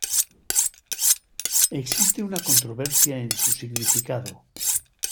Existe una controversia en su significado.